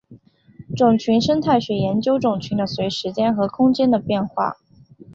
种群生态学研究种群的随时间和空间的变化。